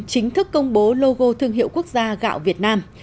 chính thức công bố logo thương hiệu quốc gia gạo việt nam